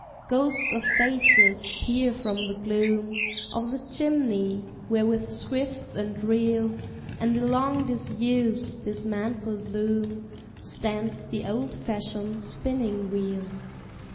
Ghosts of faces peer from the gloom Of the chimney, where with swifts and reel, And the long disused, dismantled loom, Stands the old fashioned spinning wheel.